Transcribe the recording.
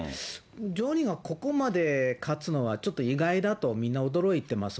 ジョニーがここまで勝つのはちょっと意外だとみんな驚いてます。